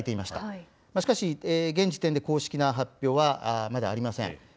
しかし、現時点で公式な発表はまだありません。